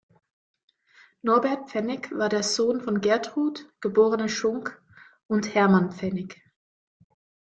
Norbert Pfennig war der Sohn von Gertrud, geborene Schunk, und Hermann Pfennig.